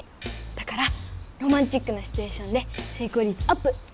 だからロマンチックなシチュエーションでせいこうりつアップ！